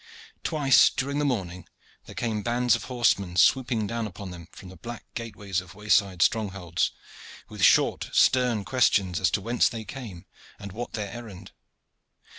Twice during the morning there came bands of horsemen swooping down upon them from the black gateways of wayside strongholds, with short, stern questions as to whence they came and what their errand.